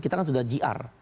kita kan sudah jr